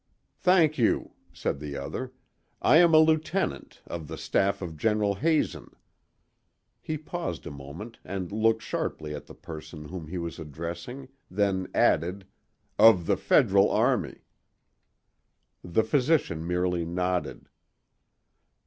"Thank you," said the other. "I am a lieutenant, of the staff of General Hazen." He paused a moment and looked sharply at the person whom he was addressing, then added, "Of the Federal army." The physician merely nodded.